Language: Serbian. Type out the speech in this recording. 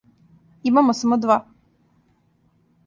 Имамо само два.